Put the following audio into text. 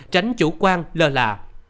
tránh chủ quan lơ là